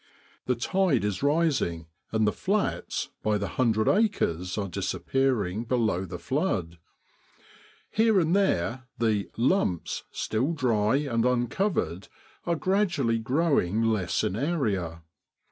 The tide is rising, and the * flats ' by the hundred acres are disappearing below the flood. Here and there the ' lumps,' still dry and uncovered, are gradually growing less in area.